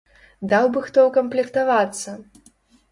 Даў бы хто ўкамплектавацца!